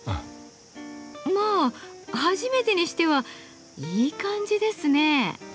まあ初めてにしてはいい感じですね。